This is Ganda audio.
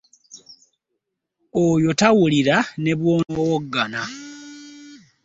Oyo tawulira ne bw'onowoggana.